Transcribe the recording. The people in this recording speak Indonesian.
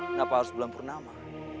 kenapa harus bulan purnama